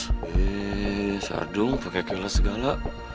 eh sardung pakai kelas segala